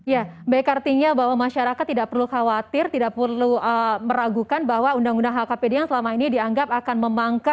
ya baik artinya bahwa masyarakat tidak perlu khawatir tidak perlu meragukan bahwa undang undang hkpd yang selama ini dianggap akan memangkas